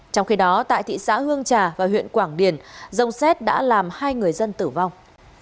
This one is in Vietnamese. trong khi đó tại thị xã hương trà và huyện quảng điền rông xét đã làm hai người dân tử vong